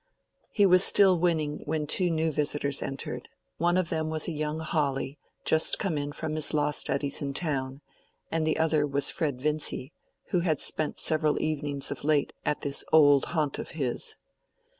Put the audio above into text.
He was still winning when two new visitors entered. One of them was a young Hawley, just come from his law studies in town, and the other was Fred Vincy, who had spent several evenings of late at this old haunt of his.